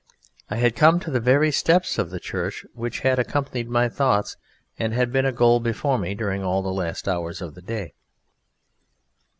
I had come to the very steps of the church which had accompanied my thoughts and had been a goal before me during all the last hours of the day.